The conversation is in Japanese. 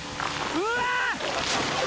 うわ！